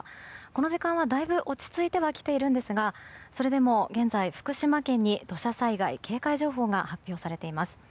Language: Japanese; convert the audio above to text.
この時間はだいぶ落ち着いてはきていますがそれでも現在、福島県内に土砂災害警戒情報が発表されています。